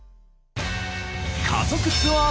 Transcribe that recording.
家族ツアー対決。